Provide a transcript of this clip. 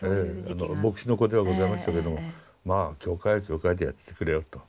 牧師の子ではございましたけどもまあ教会は教会でやってくれよと。